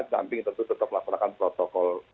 samping tentu tetap melaksanakan protokol